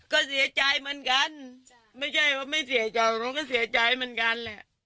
ก็เสียใจเหมือนกันไม่ใช่ว่าไม่เสียใจเราก็เสียใจเหมือนกันแหละ